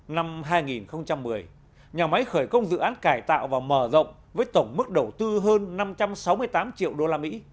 năm hai nghìn một mươi nhà máy khởi công dự án cải tạo và mở rộng với tổng mức đầu tư hơn năm trăm sáu mươi tám triệu usd